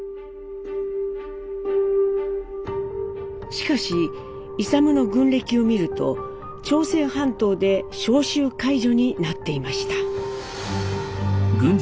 しかし勇の軍歴を見ると朝鮮半島で「召集解除」になっていました。